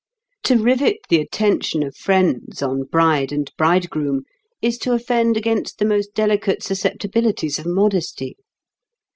To rivet the attention of friends on bride and bridegroom is to offend against the most delicate susceptibilities of modesty.